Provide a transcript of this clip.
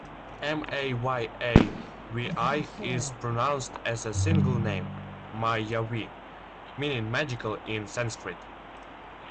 "MayaVi" is pronounced as a single name, "Ma-ya-vee", meaning "magical" in Sanskrit.